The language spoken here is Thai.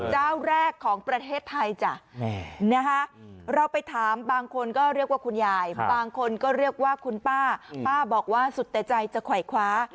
เจ้าแรกของประเทศไทยจ้ะนะคะเราไปถามบางคนก็เรียกว่าคุณยายบางคนก็เรียกว่าคุณป้าป้าบอกว่าสุดแต่ใจจะไขวคว้า